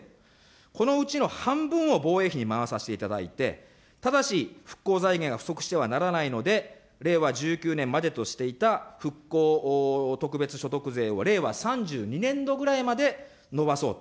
このうちの半分を防衛費に回させていただいて、ただし、復興財源が不足してはならないので、令和１９年までとしていた復興特別所得税を令和３２年度ぐらいまでのばそうと。